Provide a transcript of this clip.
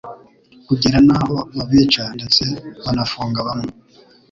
kugera n'aho babica ndetse banafunga bamwe